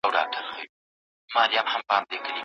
زه د منصوري چیغي په حکم سر په دار ښه یم